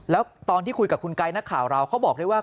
แล้วตอนที่คุยกับคุณไกด์นักข่าวเราเขาบอกด้วยว่า